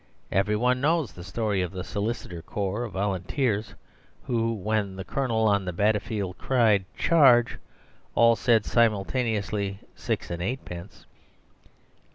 Every one knows the story of the solicitors' corps of volunteers who, when the Colonel on the battlefield cried "Charge!" all said simultaneously, "Six and eightpence."